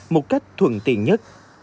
một cách thuận tiện nhất